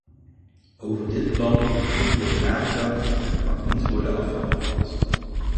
Over dit plan moet goed worden nagedacht en het mag niet worden afgeraffeld.